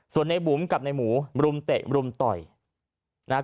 ส่วนในบุ๋มกับในหมูบรุ่มเตะบรุ่มต่อยนะฮะ